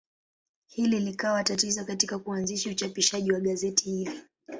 Hili likawa tatizo katika kuanzisha uchapishaji wa gazeti hili.